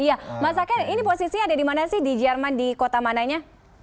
iya mas akir ini posisinya ada di mana sih di jerman di kota mananya